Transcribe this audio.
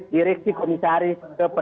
direksi komisaris ke penegakkan